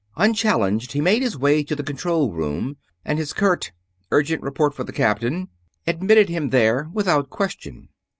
Unchallenged he made his way to the control room, and his curt "urgent report for the Captain" admitted him there without question.